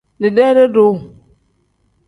Dideere-duu.